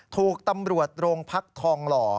ถูกตำรวจโรงพักทองหล่อ